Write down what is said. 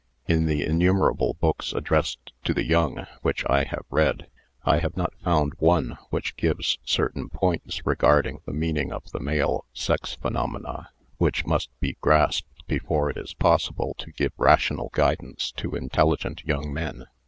In the innumerable books addressed to the young which I have read, I have not found one which gives certain points regarding the meaning of the male sex phenomena which must be grasped before it is possible to give rational guidance to intelligent young men.